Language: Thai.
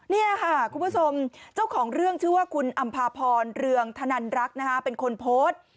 นี่ค่ะคุณผู้ชมเจ้าของเรื่องชื่อว่าคุณอำภาพรเรืองธนันรักเป็นคนโพสต์